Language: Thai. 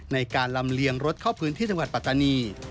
ในการลำเลียงรถเข้าพื้นที่จังหวัดปัตตานี